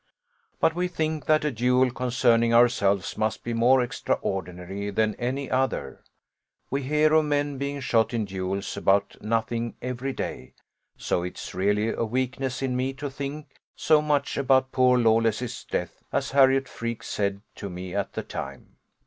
"But we think that a duel concerning ourselves must be more extraordinary than any other. We hear of men being shot in duels about nothing every day, so it is really a weakness in me to think so much about poor Lawless's death, as Harriot Freke said to me at the time.